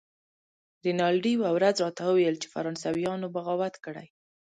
رینالډي یوه ورځ راته وویل چې فرانسویانو بغاوت کړی.